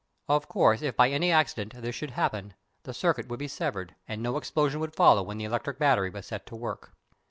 Of course, if by any accident this should happen, the circuit would be severed, and no explosion would follow when the electric battery was set to work.